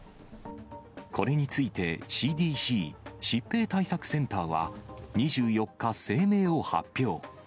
これについて、ＣＤＣ・疾病対策センターは、２４日、声明を発表。